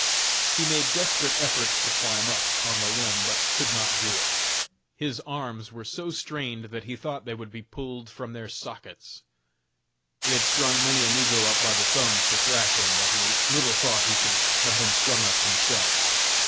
He made desperate efforts to climb up, on the limb, but could not do it. His arms were so strained that he thought they would be pulled from their sockets. He had strung many a negro up by the thumbs to thrash him, but he little thought he should have been strung up himself.